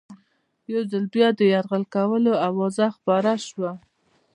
یو ځل بیا د یرغل کولو آوازه خپره شوه.